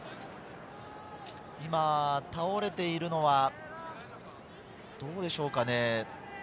倒れているのは、どうでしょうかね。